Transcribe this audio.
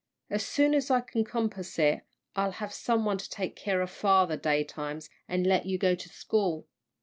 As soon as I can compass it, I'll have some one to take care of father daytimes, and let you go to school."